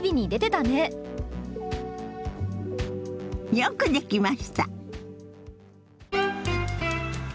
よくできました。